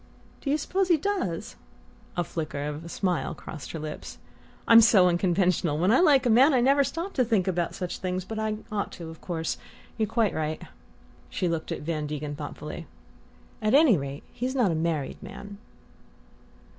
"Do you suppose he does?" A flicker of a smile crossed her lips. "I'm so unconventional: when I like a man I never stop to think about such things. But I ought to, of course you're quite right." She looked at Van Degen thoughtfully. "At any rate, he's not a married man."